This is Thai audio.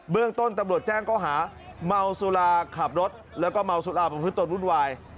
เรื่องต้นตำรวจแจ้งก็หาเมาสุราขับรถแล้วก็เมาสุราประพฤตนวุ่นวาย